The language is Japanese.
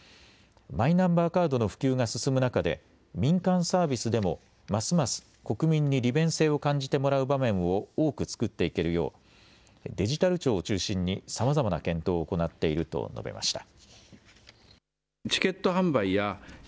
マイナンバーカードの普及が進む中で民間サービスでもますます国民に利便性を感じてもらう場面を多く作っていけるよう、デジタル庁を中心にさまざまな検討を行っていると述べました。